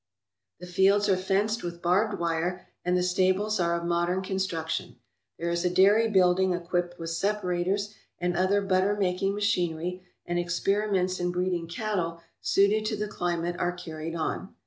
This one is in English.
The fields are fenced with barbed wire and the stables are of modern construc tion. There is a dairy building equipped with separators and other butter making machinery, and experiments in breeding cattle suited to the climate are carried on.